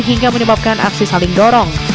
hingga menyebabkan aksi saling dorong